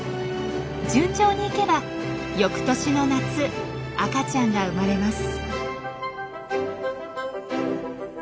順調にいけば翌年の夏赤ちゃんが生まれます。